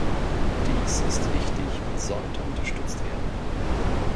Dies ist wichtig und sollte unterstützt werden.